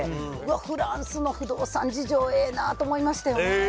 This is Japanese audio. うわっ、フランスの不動産事情、ええなと思いましたよ。